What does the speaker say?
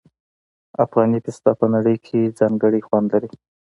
افغاني پسته په نړۍ کې ځانګړی خوند لري.